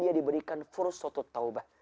dia diberikan fursatut taubat